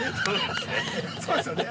◆そうですね。